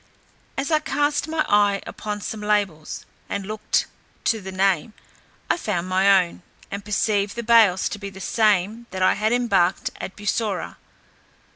As I cast my eye upon some bales, and looked to the name, I found my own, and perceived the bales to be the same that I had embarked at Bussorah.